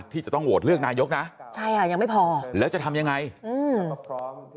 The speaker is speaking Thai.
ที่จะต้องโหวตเลือกนายกนะใช่ค่ะยังไม่พอแล้วจะทำยังไงอืม